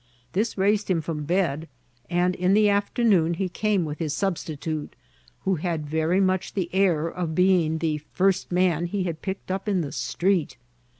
This raised him from bed, and in the afternoon he came with his substitute, who had very much the air of being the first man he had pick ed up in the street.